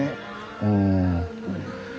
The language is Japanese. うん。